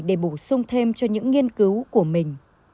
để bổ sung thêm cho những nghiên cứu của mình